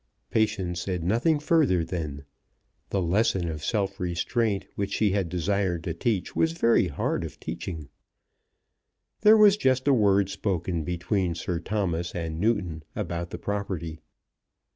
Patience said nothing further then. The lesson of self restraint which she desired to teach was very hard of teaching. There was just a word spoken between Sir Thomas and Newton about the property.